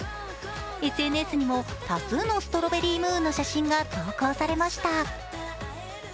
ＳＮＳにも多数のストロベリームーンの写真が投稿されました。